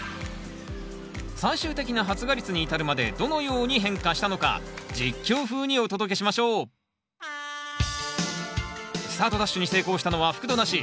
最終的な発芽率に至るまでどのように変化したのか実況風にお届けしましょうスタートダッシュに成功したのは覆土なし。